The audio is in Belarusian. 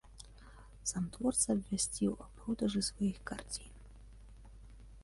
Сам творца абвясціў аб продажы сваіх карцін.